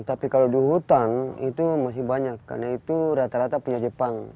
tapi kalau di hutan itu masih banyak karena itu rata rata punya jepang